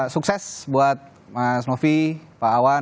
sukses buat mas novi pak awan